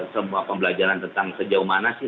semua pembelajaran tentang sejauh mana sih